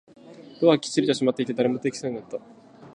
ドアはきっちりと閉まっていて、誰も出てきそうもなかった